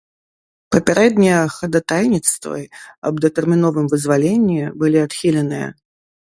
Папярэднія хадатайніцтвы аб датэрміновым вызваленні былі адхіленыя.